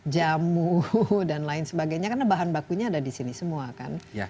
jamu dan lain sebagainya karena bahan bakunya ada di sini semua kan